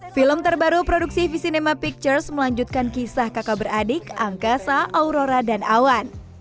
film terbaru produksi visinema pictures melanjutkan kisah kakak beradik angkasa aurora dan awan